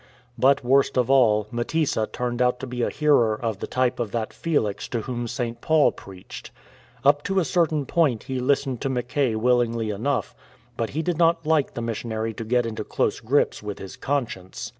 But worst of all, Mtesa turned out to be a hearer of the type of that Felix to whom St. Paul preached. Up to a certain point he listened to Mackay willingly enough, but he did not like the missionary to get into close grips with his conscience.